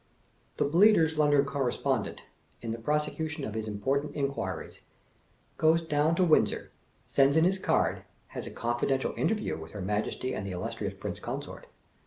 The Bleater's London Correspondent, in the prosecution of his important inquiries, goes down to Windsor, sends in his card, has a confidential interview with her Majesty and the illustrious Prince Consort.